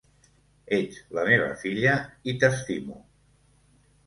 Ets la meva filla i t'estimo.